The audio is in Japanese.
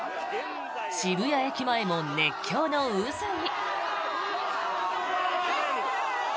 渋谷駅前も熱狂の渦に。